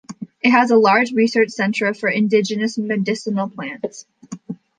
It has a large research centre for indigenous medicinal plants.